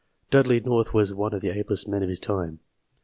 Dudley North was one of the ablest men of his time.